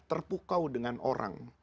terpukau dengan orang